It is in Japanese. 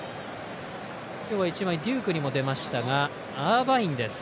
今日は１枚デュークにも出ましたがアーバインです。